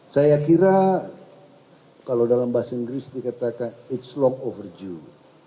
saya kira kalau dalam bahasa inggris dikatakan it's long overdue